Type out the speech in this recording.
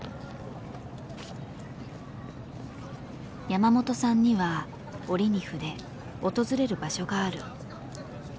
山本さんには折に触れ訪れる場所がある。